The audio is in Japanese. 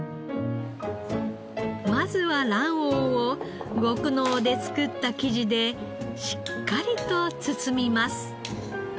まずは卵黄を極濃で作った生地でしっかりと包みます。